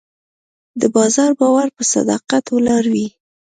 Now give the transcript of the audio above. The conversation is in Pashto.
د بازار باور په صداقت ولاړ وي.